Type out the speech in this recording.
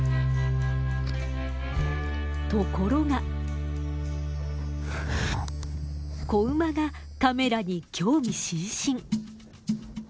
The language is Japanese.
ところが子馬がカメラに興味津々。